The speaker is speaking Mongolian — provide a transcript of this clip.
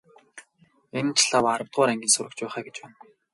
Энэ ч лав аравдугаар ангийн сурагч байх аа гэж байна.